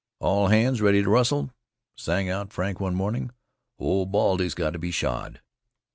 "All hands ready to rustle," sang out Frank one morning. "Old Baldy's got to be shod."